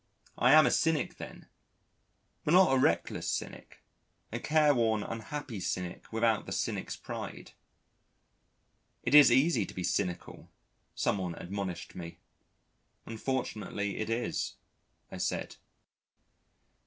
I am a cynic then, but not a reckless cynic a careworn unhappy cynic without the cynic's pride. "It is easy to be cynical," someone admonished me. "Unfortunately it is," I said.